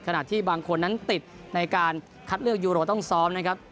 ขณะที่บางคนนั้นติดในการคัดเลือกยูโรต้องซ้อมนะครับ